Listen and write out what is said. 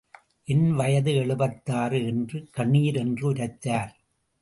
என் வயது எழுபத்தாறு என்று கணீரென்று உரைத்தார்.